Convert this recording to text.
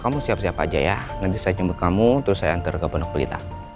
kamu siap siap aja ya nanti saya jemput kamu terus saya antar ke pondok pelita